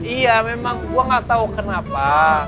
iya memang gue gak tau kenapa